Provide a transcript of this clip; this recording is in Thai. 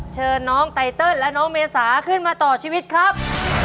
เชิญน้องไตเติลและน้องเมษาขึ้นมาต่อชีวิตครับ